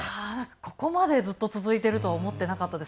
ここまでずっと続いているとは思ってなかったです。